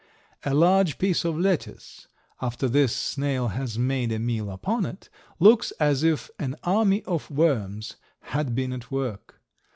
A large piece of lettuce, after this snail has made a meal upon it, looks as if an army of worms had been at work.